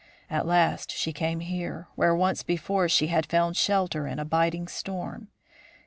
At last she came here, where once before she had found shelter in a biting storm.